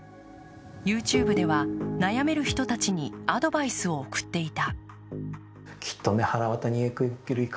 ＹｏｕＴｕｂｅでは悩める人たちにアドバイスを送っていた。